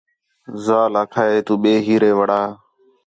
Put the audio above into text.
ذال آکھا ہِے تو ٻئے ہیرے وڑا